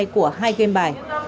của hai game bài